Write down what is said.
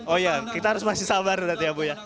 oh ya kita harus masih sabar ya bu